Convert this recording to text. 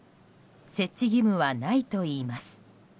設置義務はないといいます。